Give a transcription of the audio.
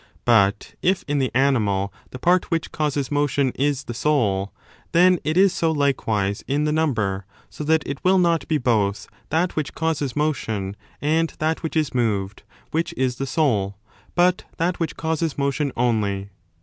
But if in the animal the part which causes motion is the soul, then it is so likewise in the number: so that it will not be both that which causes motion and that which is moved which is the soul, but that which causes 10 motion only.